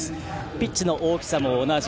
ピッチの大きさも同じ。